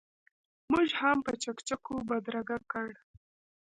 موږ هم په چکچکو بدرګه کړ.